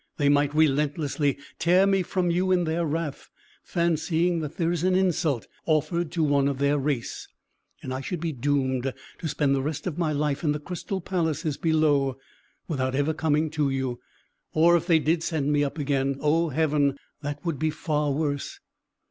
They might relentlessly tear me from you in their wrath, fancying that there is an insult offered to one of their race; and I should be doomed to spend the rest of my life in the crystal palaces below, without ever coming to you; or if they did send me up again oh Heaven, that would be far worse!